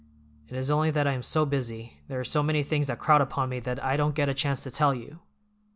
It is only that I am so busy, there are so many things that crowd upon me that I don't get a chance to tell you.